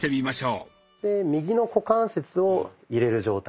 右の股関節を入れる状態。